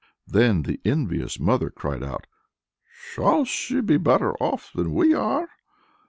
Then the envious mother cried out, "Shall she be better off than we are?"